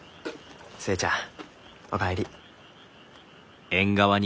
寿恵ちゃんお帰り。